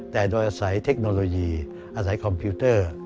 แต่โดยอาศัยเทคโนโลยีอาศัยคอมพิวเตอร์